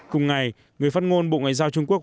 cùng ngày người phát ngôn bộ ngoại giao trung quốc